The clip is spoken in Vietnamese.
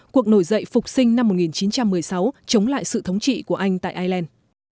cuộc nổi dậy phục sinh năm một nghìn chín trăm một mươi sáu chống lại sự thống trị của anh tại ireland